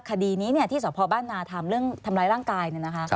คดีนี้ที่สบ้านนาธรรมเรื่องทำร้ายร่างกาย